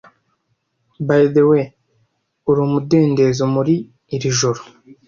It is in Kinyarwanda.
By the way, uri umudendezo muri iri joro?